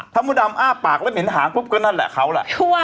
ถังผู้ดำอ้าปากแล้วหนินหางปุ๊บก็นั่นแหละเขาล่ะ